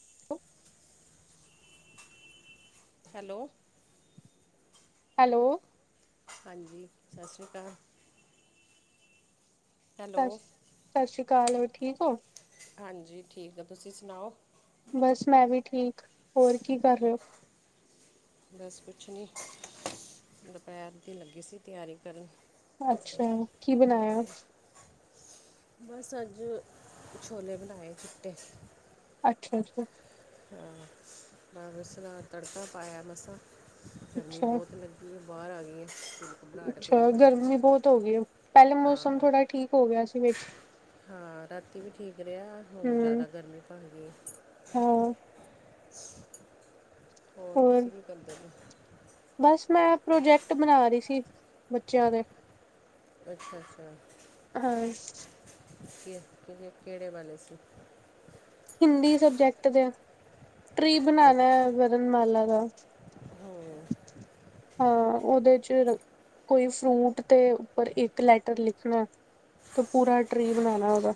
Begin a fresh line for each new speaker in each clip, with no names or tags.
[inaudible]
Hello
hello
ਹਾਂਜੀ ਸਸ਼੍ਰੀ ਅਕਾਲ
ਸਤ,
ਹੈਲੋ
ਸਸ਼੍ਰੀ ਅਕਾਲ ਹੋਰ ਠੀਕ ਓ
ਹਾਂਜੀ, ਠੀਕ ਆ, ਤੁਸੀਂ ਸੁਣਾਓ
ਬਸ ਮੈਂ ਵੀ ਠੀਕ, ਹੋਰ ਕੀ ਕਰ ਰਹੋ
ਬਸ ਕੁਛ ਨੀ, ਦੁਪਹਿਰ ਦੀ ਲੱਗੀ ਸੀ ਤਿਆਰੀ ਕਰਨ
ਆਛਾ, ਕੀ ਬਣਾਇਆ
ਬਸ ਅੱਜ, ਛੋਲੇ ਬਣਾਏ ਚਿੱਟੇ
ਅੱਛਾ- ਅੱਛਾ
ਆਂ, ਮੈਂ ਉਸ ਨਾਲ ਤੜਕਾ ਪਾਇਆ ਮਸਾਂ, ਗਰਮੀ
ਅੱਛਾ
ਬਹੁਤ ਲੱਗ ਜ ਬਾਹਰ ਆ ਗਈ ਘਬਰਾਹਟ
ਅੱਛਾ
ਪਈ ਬੜੀਆਂ 'ਚ
ਗਰਮੀ ਬਹੁਤ ਹੋ ਗਈ ਹੁਣ, ਪਹਿਲੇ ਮੌਸਮ
ਹਾਂ
ਥੋੜਾ ਠੀਕ ਹੋ ਗਿਆ ਸੀ ਵਿਚ
ਹਾਂ, ਰਾਤੀ ਵੀ ਠੀਕ ਰਿਹਾ, ਹੁਣ
ਹਮ
ਜ਼ਿਆਦਾ ਗਰਮੀ ਭਰ ਗਈ
ਹਾਂ
ਹੋਰ, ਤੁਸੀਂ ਕੀ ਕਰਦੇ ਪਏ?
ਬਸ ਮੈਂ ਪ੍ਰੋਜੈਕਟ ਬਣਾ ਰਹੀ ਸੀ, ਬੱਚਿਆਂ ਦੇ।
ਅੱਛਾ, ਅੱਛਾ।
ਹਾਂ
ਕੇ, ਕਿਹਦੇ, ਕੇੜੇ ਵਾਲੇ ਸੀ?
ਹਿੰਦੀ ਸਬਜੈਕਟ ਦੇ, ਟਰੀ
ਅ-
ਬਣਾਣਾ ਵ ਵਰਨਮਾਲਾਂ ਦਾ,
ਹਾਂ
ਹਾਂ ਉਹਦੇ 'ਚ ਰ ਕੋਈ ਫਰੂਟ ਤੇ, ਉੱਪਰ ਇੱਕ ਲੈਟਰ ਲਿਖਣਾ। ਤੇ ਪੂਰਾ ਟਰੀ ਬਣਾਣਾ ਉਹਦਾ।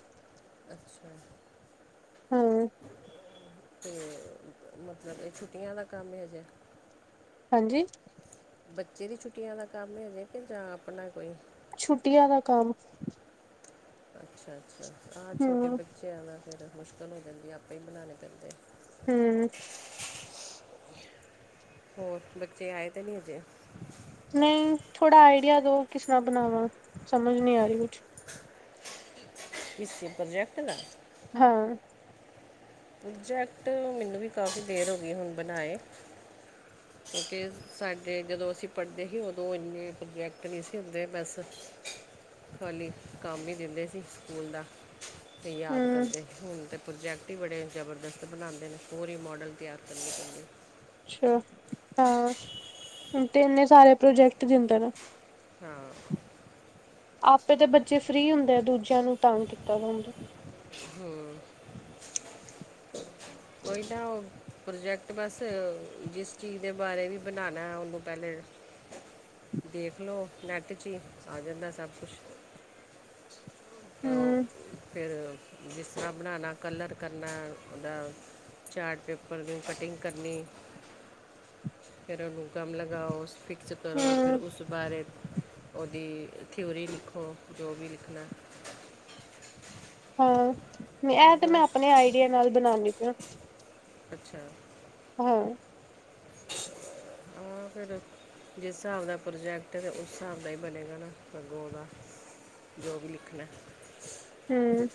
ਅੱਛਾ।
ਹੂੰਮ।
ਤੇ, ਮਤਲਬ ਏ ਛੁੱਟੀਆਂ ਦਾ ਕੰਮ ਏ ਹਜੇ।
ਹਾਂਜੀ।
ਬੱਚੇ ਦੀ ਛੁੱਟੀਆਂ ਦਾ ਕੰਮ ਏ ਹਜੇ ਕੇ, ਜਾਂ ਆਪਣਾ ਕੋਈ?
ਛੁੱਟੀਆਂ ਦਾ ਕੰਮ।
ਅੱਛਾ -ਅੱਛਾ, ਆਹ ਛੋਟੇ
ਹੂੰ
ਬੱਚਿਆ ਦਾ ਫਿਰ, ਮੁਸ਼ਕਿਲ ਹੋ ਜਾਂਦੀ ਏ, ਆਪੇ ਈ ਬਣਾਣੇ ਪੈੰਦੇ
ਹਮ
ਹੋਰ, ਬੱਚੇ ਆਏ ਤੇ ਨੀ ਹਜੇ
ਨਹੀਂ, ਥੋੜ੍ਹਾ ਆਈਡੀਆ ਦੋ, ਕਿਸ ਤਰ੍ਹਾਂ ਬਣਾਵਾਂ, ਸਮਝ ਨੀ ਆ ਰਹੀ ਕੁਛ।
ਕਿਸੀ ਪ੍ਰੋਜੈਕਟ ਦਾ?
ਹਾਂ।
ਪ੍ਰੋਜੈਕਟ, ਮੈਨੂੰ ਵੀ ਕਾਫੀ ਦੇਰ ਹੋ ਗਈ, ਹੁਣ ਬਣਾਏ। ਕਿਉਂਕਿ ਸਾਡੇ ਜਦੋਂ ਅਸੀਂ ਪੜ੍ਹਦੇ ਹੀ, ਓਦੋਂ ਇੰਨੇ ਪ੍ਰੋਬਜੈਕਟ ਨੀ ਸੀ ਹੁੰਦੇ ਬਸ ਖਾਲੀ, ਕੰਮ ਹੀ ਦਿੰਦੇ ਸੀ ਸਕੂਲ ਦਾ, ਤੇ ਯਾਦ
ਹੂੰ
ਕਰਦੇ। ਹੁਣ ਤੇ ਪ੍ਰੋਜੈਕਟ ਈ ਬੜੇ ਜਬਰਦਸਤ ਬਣਾਉਂਦੇ ਨੇ, ਪੂਰੀ ਮੋਡਲ ਤਿਆਰ ਕਰਨੀ ਪੈਂਦੀ ਏ।
ਅੱਛਾ, ਹਾਂ ਹੁਣ ਤੇ ਇੰਨੇ ਸਾਰੇ ਪ੍ਰੋਜੈਕਟ ਦਿੰਦਾ ਨਾ।
ਹਾਂ।
ਆਪੇ ਤੇ ਬੱਚੇ ਫਰੀ ਹੁੰਦੈ ਦੂਜਿਆਂ ਨੂੰ ਤੰਗ ਕੀਤਾ ਵਾ ਹੁੰਦਾ।
ਹਾਂ। ਕੋਈ ਨਾ ਓ ਪ੍ਰੋਜੈਕਟ ਬਸ ਜਿਸ ਚੀਜ਼ ਦੇ ਬਾਰੇ ਵੀ ਬਣਾਣੈ ਉਨੂੰ ਪੈਲੇ ਦੇਖ ਲੋ ਨੈੱਟ ਚ ਈ ਆ ਜਾਂਦੈ ਸਭ ਕੁਸ਼ ਤ ਓ
ਹੂੰ
ਫਿਰ ਜਿਸ ਤਰਾਂ ਬਣਾਣਾ ਕਲਰ ਕਰਨੈ ਉਦਾ ਚਾਟ ਪੇਪਰ ਦੀ ਕਟਿੰਗ ਕਰਨੀ ਫੇਰ ਉਨੂੰ ਗਮ ਲਗਾਓ, ਫਿਕਸ ਕਰੋ ਫੇਰ
ਹੂੰ
ਉਸ ਬਾਰੇ ਉਦੀ ਥਿਊਰੀ ਲਿਖੋ ਜੋ ਵੀ ਲਿਖਣੈ।
ਹਾਂ ਨੇ ਐ ਤੇ ਮੈਂ
ਬਸ
ਆਪਣੇ ਆਈਡੀਏ ਨਾਲ ਬਣਾਣੀ ਪੀ ਆ।
ਅੱਛਾ।
ਹਾਂ।
[inaudible] ਹਾਂ ਫੇਰ ਜਿਸ ਸਾਬ ਦਾ ਪ੍ਰੋਜੈਕਟ ਏ ਤੇ ਉਸ ਸਾਬ ਦਾ ਈ ਬਣੇਗਾ ਨਾ ਅੱਗੋ ਉਦਾ ਜੋ ਵੀ ਲਿਖਣੈ।
ਹੂੰ।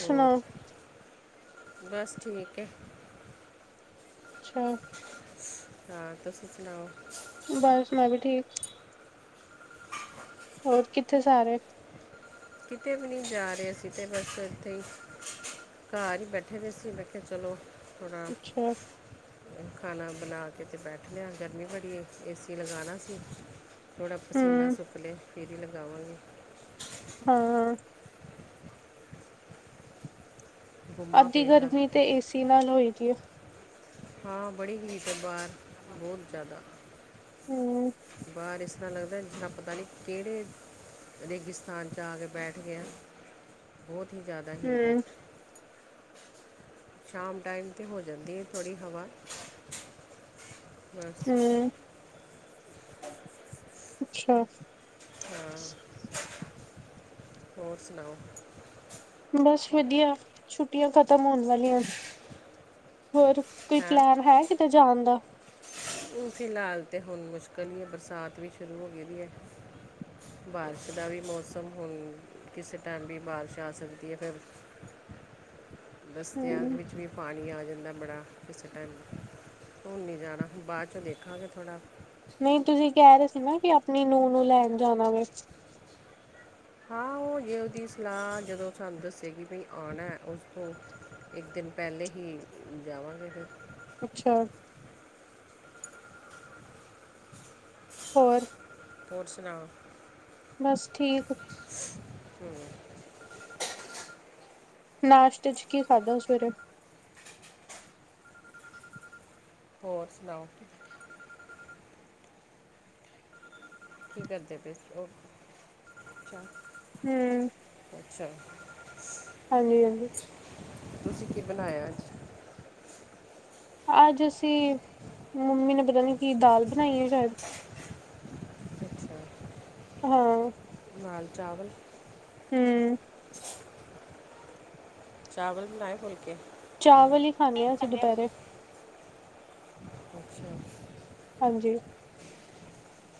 ਹੋਰ, ਬਸ ਠੀਕ ਏ।
ਅੱਛਾ।
ਹਾਂ ਤੁਸੀ ਸੁਣਾਓ?
ਬਸ ਮੈਂ ਵੀ ਠੀਕ। ਹੋਰ ਕਿੱਥੇ ਸਾਰੇ?
ਕਿਤੇ ਵੀ ਨੀ ਜਾ ਰੇ ਅਸੀਂ ਤੇ ਬਸ ਏਥੇ ਈ ਘਾਰ ਈ ਬੈਠੇ ਵੇ ਸੀ ਮੈਂ ਖੇਆ ਚਲੋ ਥੋੜਾ
ਅੱਛਾ
ਖਾਣਾ ਬਣਾ ਕੇ ਤੇ ਬੈਠ ਦੇ ਆ ਗਰਮੀਂ ਬੜੀ ਏ ਸੀ ਲਗਾਣਾ ਸੀ ਥੋੜਾ ਪਸੀਨਾ
ਹੂੰ
ਸੁੱਕ ਲੇ ਫੇਰ ਈ ਲਗਾਵਾਂਗੇ।
ਹਾਂ।
ਗੁੰਮਾ
ਅੱਧੀ
ਪਏਗਾ
ਗਰਮੀ ਤੇ ਏ ਸੀ ਨਾਲ ਹੋਈ ਦੀ ਏ।
ਹਾਂ ਬੜੀ ਹੀਟ ਏ ਬਾਰ ਬੋਤ ਜਿਆਦਾ।
ਹੂੰ।
ਬਾਰ ਇਸ ਤਰ੍ਹਾਂ ਲੱਗਦਾ ਜਿਨਾ ਪਤਾ ਨੀ ਕੇੜੇ ਰੇਗਿਸਤਾਨ 'ਚ ਆ ਕੇ ਬੈਠ ਗੇ ਆ ਬਹੁਤ ਈ ਜਿਆਦਾ ਹੀਟ ਏ।
ਹੂੰ
ਸ਼ਾਮ ਟਾਈਮ 'ਤੇ ਹੋ ਜਾਂਦੀ ਏ ਥੋੜੀ ਹਵਾ। ਹਾਂ।
ਹੂੰ। ਅੱਛਾ।
ਹਾਂ, ਹੋਰ ਸੁਣਾਓ?
ਬਸ ਵਧੀਆ ਛੁੱਟੀਆਂ ਖ਼ਤਮ ਹੋਣ ਵਾਲੀਆਂ। ਹੋਰ ਕੋਈ ਪਲੈਨ ਹੈ ਕਿਤੇ ਜਾਣ ਦਾ?
ਹੁਣ ਫਿਲਹਾਲ ਤੇ ਹੁਣ ਮੁਸ਼ਕਿਲ ਈ ਐ ਬਰਸਾਤ ਵੀ ਸ਼ੁਰੂ ਹੋਗੀ ਦੀ ਐ। ਬਾਰਿਸ਼ ਦਾ ਵੀ ਮੌਸਮ ਹੁਣ ਕਿਸੇ ਟਾਈਮ ਵੀ ਬਾਰਿਸ਼ ਆ ਸਕਦੀ ਏ ਫੇਰ ਬਸ ਤਿਆਗ
ਹੂੰ
ਵਿੱਚ ਵੀ ਪਾਣੀ ਆ ਜਾਂਦੈ ਬੜਾ ਕਿਸੇ ਟਾਈਮ ਹੁਣ ਨੀ ਜਾਣਾ ਬਾਅ ਚੋਂ ਦੇਖਾਂਗੇ ਥੋੜਾ
ਨਈ ਤੁਸੀਂ ਕੈ ਰੇ ਸੀ ਨਾ ਕਿ ਆਪਣੀ ਨੂੰ-ਨੂੰ ਲੈਣ ਜਾਣਾ ਵੇ।
ਹਾਂ ਓ ਜੇ ਉਦੀ ਸਲਾਅ ਜਦੋਂ ਸਾਨੂੰ ਦੱਸੇਗੀ ਬਈ ਆਣੈ ਉਸ ਤੋਂ ਇੱਕ ਦਿਨ ਪੈਲੇ ਹੀ ਜਾਵਾਂਗੇ ਫੇਰ।
ਅੱਛਾ। ਹੋਰ।
ਹੋਰ ਸੁਨਾਓ?
ਬਸ ਠੀਕ।
ਹੂੰ।
ਨਾਸ਼ਤੇ ਚ ਕੀ ਖਾਧਾ ਸਵੇਰੇ?
ਹੋਰ ਸੁਨਾਓ? ਕੀ ਕਰਦੇ ਪਏ ਸੀ? ਓਕ ਛਾ।
ਹੂੰ।
ਅੱਛਾ।
ਹਾਂਜੀ ਹਾਂਜੀ।
ਤੁਸੀ ਕੀ ਬਨਾਆ ਅੱਜ?
ਅੱਜ ਅਸੀ ਮੰਮੀ ਨੇ ਪਤਾ ਨੀ ਕੀ ਦਾਲ ਬਨਾਈ ਹੋਈ ਸ਼ਾਇਦ।
ਅੱਛਾ
ਹਾਂ।
ਨਾਲ ਚਾਵਲ।
ਹੂੰ।
ਚਾਵਲ ਬਨਾਏ ਫੁਲਕੇ।
ਚਾਵਲ ਈ ਖਾਂਨੇ ਆ ਅਸੀ ਦੁਪੇਰੇ।
ਅੱਛਾ ਅੱਛਾ।
ਹਾਂਜੀ।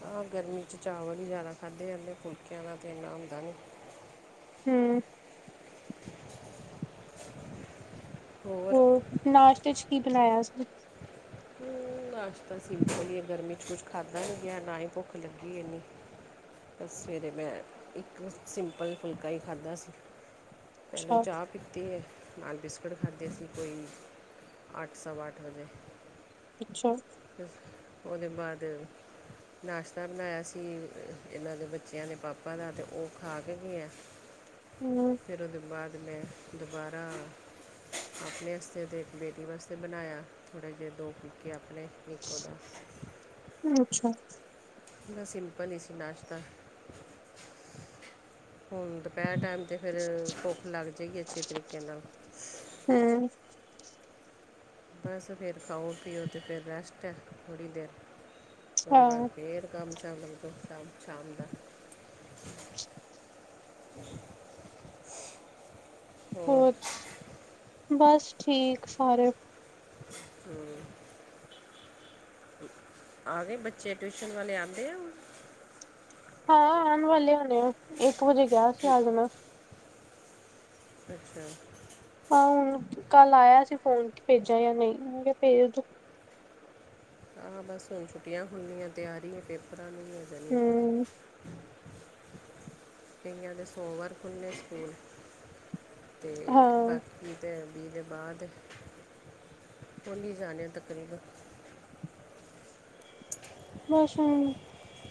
ਹਾਂ ਗਰਮੀ ਚ ਚਾਵਲ ਈ ਜਾਦਾ ਖਾਧੇ ਜਾਂਦੇ ਫੁਲਕਆਂ ਦਾ ਤੇ ਇੰਨਾ ਹੁੰਦਾ ਨੀ।
ਹੂੰ। ਹੋਰ ਨਾਸ਼ਤੇ ਚ ਕੀ ਬਨਾਆ ਸੀ?
ਹਮ, ਨਾਸ਼ਤਾ ਸਿੰਪਲ ਈ ਏ ਗਰਮੀ ਚ ਕੁੱਛ ਖਾਧਾ ਨੀ ਗਆ ਨਾ ਹੀ ਭੁੱਖ ਲੱਗੀ ਐਨੀ। ਬਸ ਸਵੇਰੇ ਮੈਂ ਇੱਕ ਸਿੰਪਲ ਫੁਲਕਾ ਈ ਖਾਧਾ ਸੀ। ਪੇਲੇ
ਅੱਛਾ
ਚਾ ਪੀਤੀ ਏ। ਨਾਲ ਬਿਸਕੁੱਟ ਖਾਧੇ ਸੀ ਕੋਈ ਅੱਠ ਸਵਾ ਅੱਠ ਵਜੇ।
ਅੱਛਾ।
ਓਦੇ ਬਾਦ ਨਾਸ਼ਤਾ ਬਨਾਆ ਸੀ ਐਨਾ ਦੇ ਬੱਚਆਂ ਦੇ ਪਾਪਾ ਦਾ ਤੇ ਓ ਖਾ ਕੇ ਗਆ।
ਹੂੰ।
ਫੇਰ ਓਦੇ ਬਾਦ ਮੈਂ ਦੁਬਾਰਾ ਅਪਨੇ ਅਸਤੇ ਤੇ ਇੱਕ ਬੇਟੀ ਵਾਸਤੇ ਬਨਾਆ ਥੋੜੇ ਜੇ ਦੋ ਕੀਕੇ ਅਪਨੇ ਤੇ ਇੱਕ ਓਦਾ।
ਅੱਛਾ।
ਬਸ ਸਿੰਪਲ ਈ ਸੀ ਨਾਸ਼ਤਾ ਹੁਨ ਦੁਪੇਰ ਟੈਮ ਤੇ ਫਿਰ ਭੁੱਖ ਲੱਗ ਜੇਗਿ ਅੱਛੇ ਤਰੀਕੇ ਨਾਲ।
ਹੇ
ਬਸ ਫੇਰ ਖਾਓ ਪੀਓ ਤੇ ਫੇਰ ਰੈਸਟ ਐ ਥੋੜੀ ਦੇਰ
ਅੱਛਾ
ਓਦੇ ਬਾਦ ਫੇਰ ਕੰਮ ਚਾਲੂ [unintelligible] ਸ਼ਾਮ ਦਾ। [inaudible]
ਹੋਚ ਬਸ ਠੀਕ ਸਾਰੇ।
ਹੂੰ। ਆ ਗੇ ਬੱਚੇ ਟਿਊਸ਼ਨ ਵਾਲੇ ਆਂਦੇ ਆ ਹੁਨ?
ਹਾਂ ਆਨ ਵਾਲੇ ਹੋਨੇ ਆ ਇੱਕ ਵਜੇ ਕਯਾ ਸੀ ਆ ਜਾਨਾ।
ਅੱਛਾ।
ਹਾਂ ਹੁਨ ਕੱਲ ਆਏਆ ਸੀਂ ਫੋਨ ਭੇਜਾ ਯਾਂ ਨਈਂ ਮੈਂ ਕੇਆ ਭੇਜ ਦੋ।
ਹਾਂ ਬਸ ਹੁਨ ਛੁੱਟੀਆਂ ਹੁੰਦੀਆਂ ਤਿਆਰੀ ਆ ਪੇਪਰਾਂ ਨੂੰ ਹੋ ਜਾਂਨੀ ਆ ਫੇ
ਹਮ
ਕਈਆਂ ਦੇ ਸੋਮਵਾਰ ਖੁੱਲ੍ਹੇ ਸਕੂਲ ਤੇ
ਹਾਂ
ਬਾਕੀ ਤੇ ਦੇ ਬਾਅਦ ਖੁੱਲੀ ਜਾਨੇ ਐ ਤਕਰੀਬਨ
ਬਸ ਹੁਨ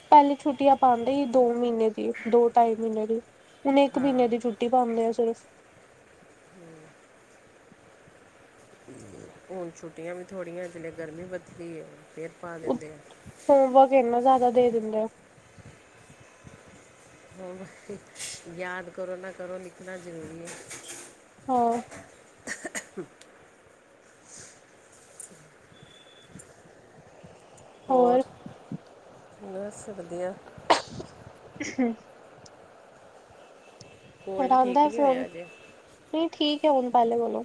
ਪੈਲੇ ਛੁੱਟੀਆਂ ਪਾਂਦੇ ਸੀ ਦੋ ਮੀਨੇ ਦੀ ਦੋ ਢਾਈ ਮੀਨੇ ਦੀ ਹੁਨ ਇੱਕ
ਹਾਂ
ਮੀਨੇ ਦੀ ਛੁੱਟੀ ਪਾਂਦੇ ਆ ਸਿਰਫ
ਹੁਣ ਛੁੱਟੀਆਂ ਵੀ ਥੋੜੀਐ ਜਿੰਨੇ ਗਰਮੀ ਵਧਦੀ ਐ ਫਿਰ ਪਾ ਦਿੰਦੇ ਆ।
ਹੋਮਵਰਕ ਇੰਨਾ ਜ਼ਾਅਦਾ ਦੇ ਦਿੰਦੇ ਐ।
ਹੂੰ ਯਾਦ ਕਰੋ ਨਾ ਕਰੋ ਲਿਖਨਾ ਜ਼ਰੂਰੀ ਐ।
ਹਾਂ।
ਹੋਰ ਬਸ ਵਦੀਆ।
[inaudible] ਹੋਰ
ਕੋਲਡ
ਆਂਦਾ
ਠੀਕ
ਐ
ਨਹੀਂ
ਫੋਨ
ਹੋਇਆ ਅਜੇ
ਨਈਂ ਠੀਕ ਐ ਹੁਨ ਪੈਲੇ ਕੋਲੋਂ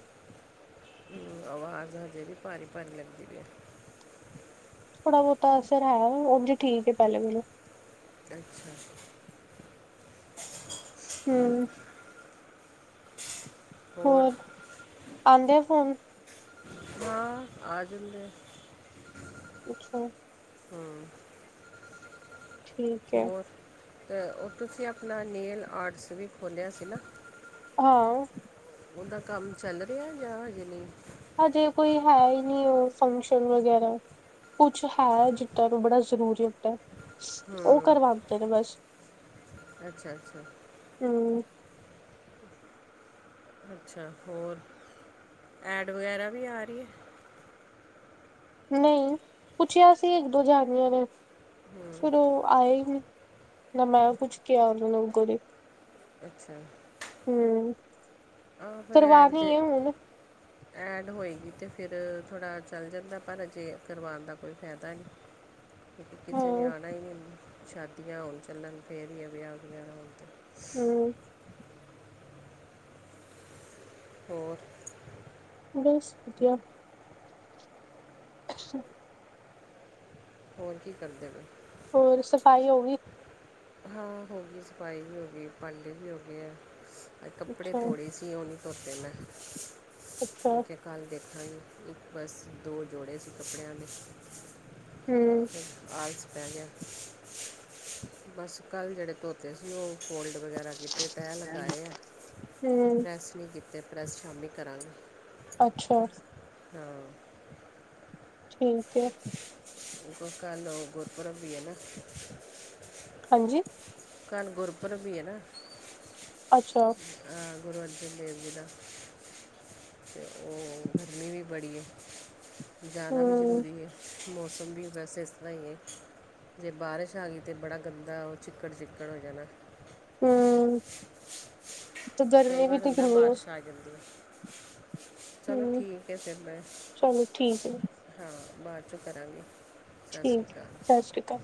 ਆਵਾਜ਼ ਹਜੇ ਵੀ ਭਾਰੀ-ਭਾਰੀ ਲੱਗਦੀ ਪਈ ਆ।
ਥੋੜਾ ਬੋਤਾ ਅਸਰ ਹੈ ਉਂਜ ਠੀਕ ਐ ਪੈਲੇ ਨਾਲੋਂ
ਅੱਛਾ।
ਹੂੰ। ਹੋਰ ਆਂਦੇ ਐ ਫੋਨ।
ਹਾਂ। ਆ ਜਾਂਦੇ ਐ।
ਅੱਛਾ।
ਹਮ
ਠੀਕ ਐ।
ਓ ਤੁਸੀਂ ਆਪਨਾ ਨੇਲ ਆਰਟਸ ਵੀ ਖੋਲੇਆ ਸੀ ਨਾ।
ਹਾਂ।
ਓਦਾ ਕੰਮ ਚੱਲ ਰਿਆ ਯਾ ਹਜੇ ਨਈਂ।
ਹਜੇ ਕੋਈ ਹੈ ਈ ਨੀ ਓ ਫੰਕਸ਼ਨ ਵਗੈਰਾ। ਕੁਛ ਹੈ ਜਿੱਦਾਂ ਨੂੰ ਬੜਾ ਜ਼ਰੂਰੀ ਹੁੰਦੇ। ਓ ਕਰਵਾਦੇ ਨੇ ਬਸ
ਅੱਛਾ-ਅੱਛਾ।
ਹੂੰ।
ਅੱਛਾ ਹੋਰ ਐਡ ਵਗੈਰਾ ਵੀ ਆ ਰੀ ਐ।
ਨਈਂ ਪੁੱਛੇਆ ਸੀ ਇੱਕ ਦੋ ਜਾਨੀਆਂ ਨੇ। ਫਿਰ ਓ ਆਏ ਈ ਨੀ ਨਾ ਮੈਂ ਕੁੱਛ ਕਿਆ ਓਨਾਂ ਲੋਕੋ ਦੇ
ਅੱਛਾ।
ਹੂੰ
ਆ ਫਿਰ ਐਡ
ਕਰਵਾਨੀ
ਜੇ
ਐ ਹੁਨ।
ਐਡ ਹੋਏਗੀ ਤੇ ਫਿਰ ਥੋੜਾ ਚੱਲ ਜਾਂਦਾ ਪਰ ਅਜੇ ਕਰਵਾਨ ਦਾ ਕੋਈ ਫੈਦਾ ਨੀ। [inaudible] ਕਿਸੇ ਨੇ
ਹਾਂ
ਆਨਾ ਈ ਨੀ ਸ਼ਾਦੀਆਂ ਹੋਨ ਚੱਲਨ ਫਿਰ ਈ ਏ ਵਿਆ ਵਗੈਰਾ।
ਹੂੰ।
ਹੋਰ?
ਬਸ ਵਦੀਆ। ਅੱਛਾ।
ਹੋਰ ਕੀ ਕਰਦੇ ਪੇ ਓ?
ਹੋਰ ਸਫਾਈ ਹੋਗੀ?
ਹਾਂ ਹੋ ਗਈ ਸਫਾਈ ਵੀ ਹੋ ਗਈ ਭਾਂਡੇ ਵੀ ਹੋ ਗਏ ਆ ਤੇ ਕੱਪੜੇ
ਅੱਛਾ
ਥੋੜੇ ਸੀ। ਕਿ ਓ ਨਈ ਧੋਤੇ ਮੈ,
ਅੱਛਾ
ਕਿਓਕੇ ਕੱਲ੍ਹ ਦੇਖਾਂਗੀ ਇੱਕ ਬਸ ਦੋ ਜੋੜੇ ਸੀ ਕੱਪੜੇਆਂ ਦੇ।
ਹੂੰ
ਆਲਸ ਪੈ ਗੇਆ ਬਸ ਕੱਲ ਜੇੜੇ ਧੋਤੇ ਸੀ ਓ ਫੋਲਡ ਵਗੈਰਾ ਕੀਤੇ ਤੈਅ ਲਗਾਏ ਆ,
ਹਮ
ਪ੍ਰੈੱਸ ਨਈ ਕੀਤੇ ਪ੍ਰੈੱਸ ਸ਼ਾਮੀ ਕਰਾਂਗੀ।
ਅੱਛਾ।
ਹਾਂ।
ਠੀਕ ਏ।
ਇੱਕ ਓ ਕੱਲ ਓ ਗੁਰਪੂਰਬ ਵੀ ਐ ਨਾ।
ਹਾਂਜੀ?
ਕੱਲ ਗੁਰਪੂਰਬ ਵੀ ਐ ਨਾ।
ਅੱਛਾ।
ਅ ਗੁਰ ਅਰਜਨ ਦੇਵ ਜੀ ਦਾ। ਤੇ ਓ ਗਰਮੀ ਵੀ ਬੜੀ ਐ, ਜਾਣਾ ਵੀ
ਹਮ
ਜ਼ਰੂਰੀ ਐ। ਮੌਸਮ ਵੀ ਵੈਸੇ ਇਸ ਤਰ੍ਹਾਂ ਈ ਐ। ਜੇ ਬਾਰਿਸ਼ ਆ ਗਈ ਤਾਂ ਬੜਾ ਗੰਦਾ ਓ ਚਿੱਕੜ -ਚਿੱਕੜ ਹੋ ਜਾਣਾ।
ਹੂੰ, ਤੇ
ਕਈ
ਗਰਮੀ ਵੀ
ਵਾਰ
ਤੇ
ਹੁੰਦਾ
ਕਿੰਨੀ ਆ।
ਬਾਰਿਸ਼ ਆ ਜਾਂਦੀਆ, ਚਲੋ
ਹੂੰ
ਠੀਕ ਐ ਫੇਰ ਮੈਂ
ਚਲੋ ਠੀਕ ਐ,
ਹਾਂ, ਬਾਚੋਂ ਕਰਾਂਗੇ। ਸਤਿ ਸ਼੍ਰੀ
ਠੀਕ ਐ
ਅਕਾਲ
ਸਤਿ ਸ਼੍ਰੀ ਅਕਾਲ।